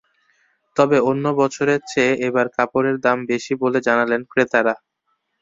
তবে অন্য বছরের চেয়ে এবার কাপড়ের দাম বেশি বলে জানালেন ক্রেতারা।